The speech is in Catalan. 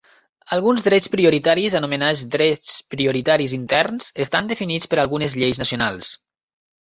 Alguns drets prioritaris, anomenats "drets prioritaris interns", estan definits per algunes lleis nacionals.